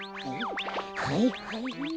はいはい。